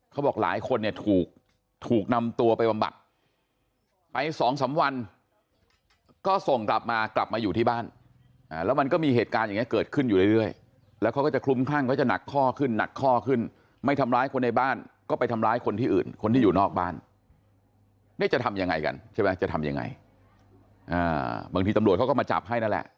แม่แม่แม่แม่แม่แม่แม่แม่แม่แม่แม่แม่แม่แม่แม่แม่แม่แม่แม่แม่แม่แม่แม่แม่แม่แม่แม่แม่แม่แม่แม่แม่แม่แม่แม่แม่แม่แม่แม่แม่แม่แม่แม่แม่แม่แม่แม่แม่แม่แม่แม่แม่แม่แม่แม่แ